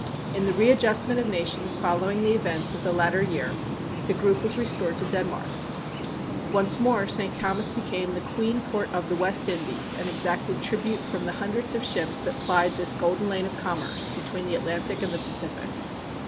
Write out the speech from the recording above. In the readjustment of nations following the events of the latter year, the group was restored to Denmark. Once more, St. Thomas became the queen port of the West Indies, and exacted tribute from the hundreds of ships that plied this golden lane of commerce between the Atlantic and the Pacific.